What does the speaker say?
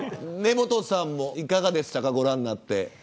根本さんも、いかがでしたかご覧になって。